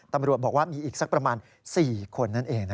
ตำรวจบอกว่ามีอีกสักประมาณ๔คนนั่นเอง